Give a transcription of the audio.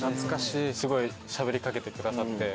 すごいしゃべり掛けてくださって。